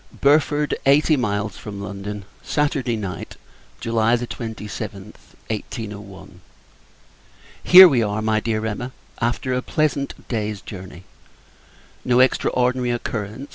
Burford, Eighty Miles from London. Saturday Night, [July 27th, 1801.] Here we are, my Dear Emma, after a pleasant day's journey! No extraordinary occurrence.